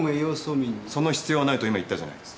その必要はないと今言ったじゃないですか。